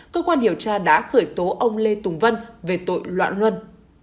cơ quan điều tra đã khởi tố ông lê tùng vân về tội loạn luân